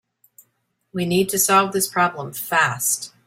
We need to solve this problem fast.